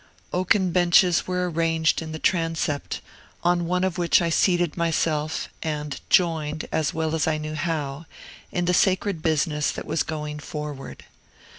Oaken benches were arranged in the transept, on one of which I seated myself, and joined, as well as I knew how, in the sacred business that was going forward.